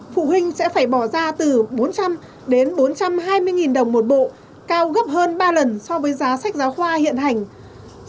phụ huynh sẽ phải bỏ ra từ bốn trăm linh đến bốn trăm hai mươi đồng một bộ cao gấp hơn ba lần so với giá sách giáo khoa hiện hành